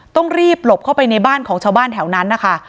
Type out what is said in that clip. ต้องรีบหลบเข้าไปในบ้านของชาวบ้านแถวนั้นนะคะ